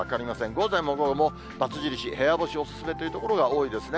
午前も午後も×印、部屋干しお勧めという所が多いですね。